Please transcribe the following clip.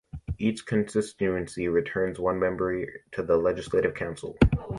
Each constituency returns one member to the Legislative Council.